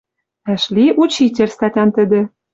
Вӓшли учитель статян тӹдӹ.